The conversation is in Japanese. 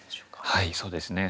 はいそうですね。